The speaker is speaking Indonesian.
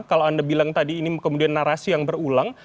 kalau anda bilang tadi ini kemudian narasi yang berulang